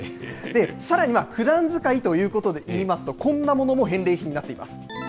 さらにまあ、ふだん使いということでいいますと、こんなものも返礼品になっています。